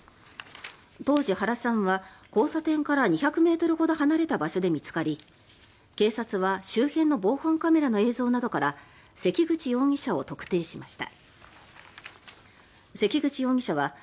当時、原さんは交差点から２００ｍほど離れた場所で見つかり警察は周辺の防犯カメラの映像などから関口容疑者を特定しました。